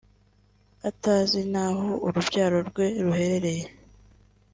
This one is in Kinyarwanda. atazi n’aho urubyaro rwe ruherereye